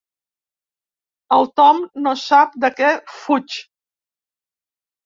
El Tom no sap de què fuig.